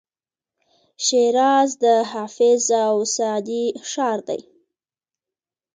شیراز د حافظ او سعدي ښار دی.